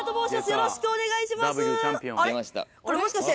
よろしくお願いします。